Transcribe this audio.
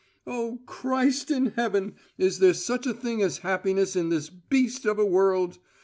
"Oh, Christ in heaven! is there such a thing as happiness in this beast of a world?